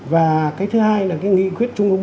và cái thứ hai là cái nghị quyết chống bốn